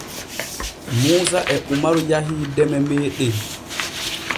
Muusa e umaru yahii deme meeɗen.